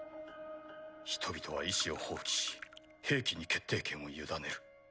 人々は意思を放棄し兵器に決定権を委ねる。